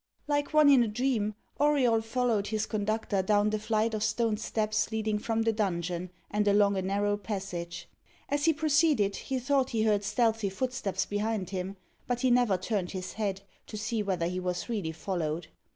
Like one in a dream, Auriol followed his conductor down the flight of stone steps leading from the dungeon, and along a narrow passage. As he proceeded, he thought he heard stealthy footsteps behind him; but he never turned his head, to see whether he was really followed.